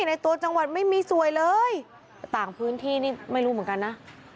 ในตัวจังหวัดไม่มีสวยเลยต่างพื้นที่นี่ไม่รู้เหมือนกันนะ